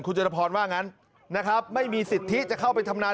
คุณจรพรว่างั้นนะครับไม่มีสิทธิจะเข้าไปทำงาน